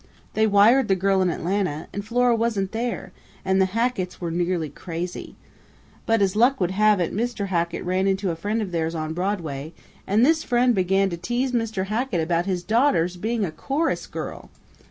They wired the girl in Atlanta, and Flora wasn't there, and the Hacketts were nearly crazy. But as luck would have it, Mr. Hackett ran into a friend of theirs on Broadway, and this friend began to tease Mr. Hackett about his daughter's being a chorus girl!"